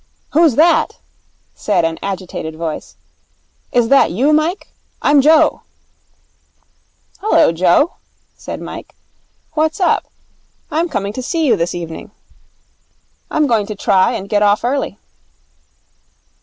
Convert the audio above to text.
'Who's that?' said an agitated voice. 'Is that you, Mike? I'm Joe.' 'Hullo, Joe,' said Mike. 'What's up? I'm coming to see you this evening. I'm going to try and get off early.'